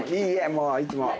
もういつも。